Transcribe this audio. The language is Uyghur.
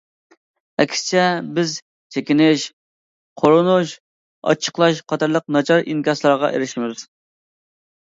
ئەكسىچە بىز چېكىنىش، قورۇنۇش، ئاچچىقلاش قاتارلىق ناچار ئىنكاسلارغا ئېرىشمىز.